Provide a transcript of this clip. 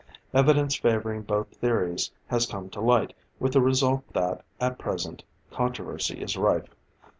Evidence favoring both theories has come to light, with the result that, at present, controversy is rife.